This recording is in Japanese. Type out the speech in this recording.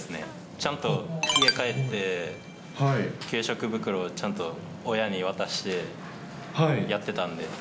ちゃんと家帰って、給食袋をちゃんと親に渡して、やってたんで。